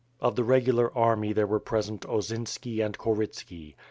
Of the regular army there were present Osinski and Korytski.